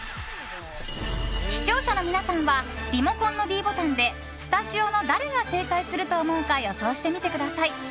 視聴者の皆さんはリモコンのｄボタンでスタジオの誰が正解すると思うか予想してみてください。